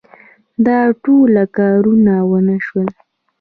دا ټوله کارونه ونه شول.